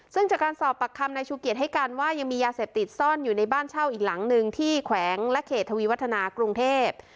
ซึ่งจากการสอบปากคำนายชูเกียจให้การว่ายังมียาเสพติดซ่อนอยู่ในบ้านเช่าอีกหลังหนึ่งที่แขวงและเขตทวีวัฒนากรุงเทพ